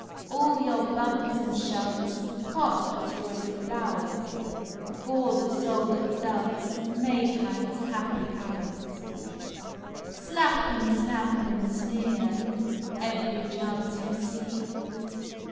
All your bumps and shoves Can t destroy the flowers For the soul that loves May time s happy hours. Slap and snap and sneer Every chance you see.